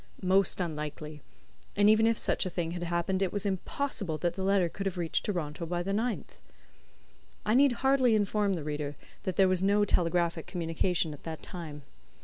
Most unlikely; and even if such a thing had happened, it was impossible that the letter could have reached Toronto by the 9th. I need hardly inform the reader that there was no telegraphic communication at that time.